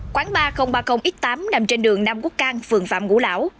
quán ba nghìn ba mươi x tám nằm trên đường nam quốc cang phường phạm ngũ lão